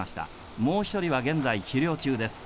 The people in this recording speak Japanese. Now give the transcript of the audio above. もう１人は現在、治療中です。